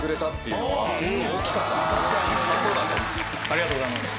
ありがとうございます。